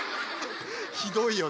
ひどいよね。